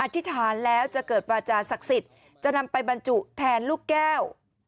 ธิษฐานแล้วจะเกิดวาจาศักดิ์สิทธิ์จะนำไปบรรจุแทนลูกแก้ว